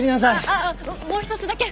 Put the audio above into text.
あっもう一つだけ！